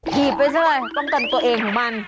ผิดไปใช่ไหมต้องกันตัวเองของมัน